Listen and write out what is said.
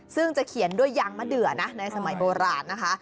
ซึ่งจะเขียนด้วยยางมะเดือนะในสมัยโบราณนะคะ